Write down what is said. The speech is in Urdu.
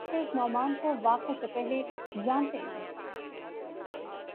آسانی سے محظوظ نہیں ہوتا